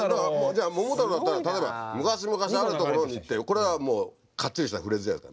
じゃあ「桃太郎」だったら例えば「昔々あるところに」ってこれはもうかっちりしたフレーズじゃないですか。